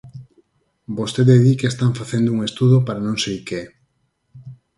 Vostede di que están facendo un estudo para non sei que.